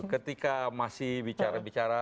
ketika masih bicara bicara